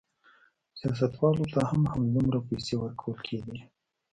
سیاستوالو ته هم همدومره پیسې ورکول کېدې.